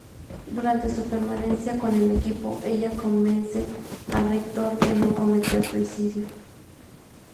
Durante su permanencia con el equipo, ella convence a Rictor de no cometer suicidio.